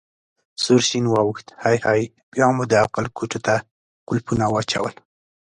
سور شین واوښت: هی هی، بیا مو د عقل کوټو ته کولپونه واچول.